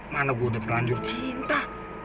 mana gue udah berlanjur cinta